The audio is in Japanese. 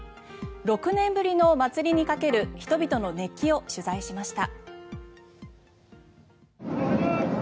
６年ぶりの祭りにかける人々の熱気を取材しました。